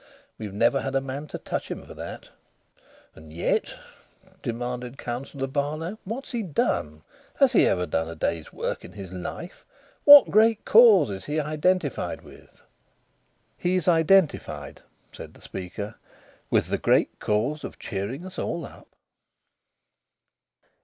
"We've never had a man to touch him for that." "And yet," demanded Councillor Barlow, "what's he done? Has he ever done a day's work in his life? What great cause is he identified with?" "He's identified," said the speaker, "with the great cause of cheering us all up."